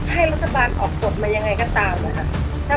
ให้รัฐบาลออกกฎมายังไงก็ตามนะคะ